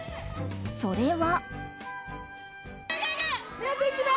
それは。